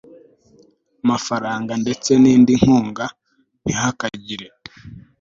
mafaranga ndetse n indi nkunga Ntihakagire